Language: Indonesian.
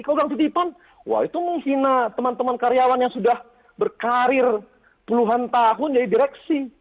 kalau bilang titipan wah itu menghina teman teman karyawan yang sudah berkarir puluhan tahun jadi direksi